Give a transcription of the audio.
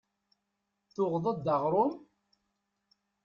Tuɣeḍ-d aɣrum?